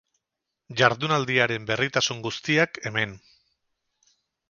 Jardunaldiaren berritasun guztiak, hemen.